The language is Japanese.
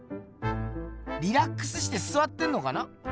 リラックスしてすわってんのかな？